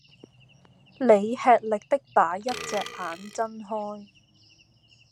你吃力的把一隻眼睜開